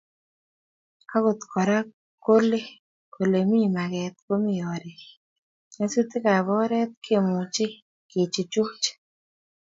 Agot Kora kole Ole mi maget komi oret, nyasutikab oret kemuchi kechuchuch